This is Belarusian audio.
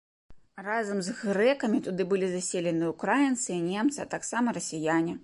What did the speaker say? Разам з грэкамі туды былі заселены ўкраінцы і немцы, а таксама расіяне.